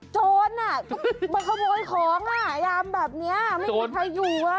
โจรมาขโมยของอ่ะยามแบบนี้ไม่มีใครอยู่